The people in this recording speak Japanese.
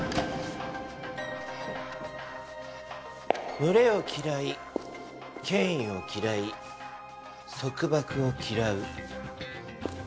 群れを嫌い、権威を嫌い、束縛を嫌う。